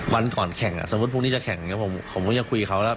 วันก่อนแข่งสมมุติพรุ่งนี้จะแข่งผมก็จะคุยเขาแล้ว